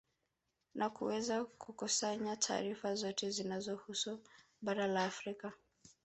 Na kuweza kukusanaya taarifa zote zinazohusu bara la Afrika